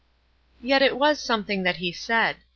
"Yet it was something that he said.